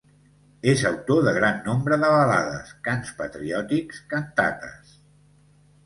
És autor de gran nombre de balades, cants patriòtics, cantates.